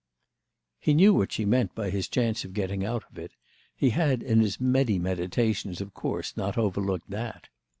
He knew what she meant by his chance of getting out of it; he had in his many meditations of course not overlooked that.